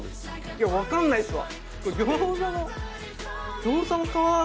いや分かんないっすわ。